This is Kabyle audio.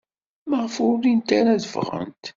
Maɣef ur rint ara ad ffɣent?